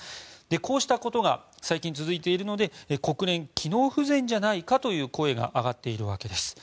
こうしたことが最近続いているので国連、機能不全じゃないかという声が上がっているわけです。